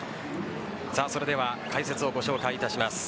それでは解説をご紹介いたします。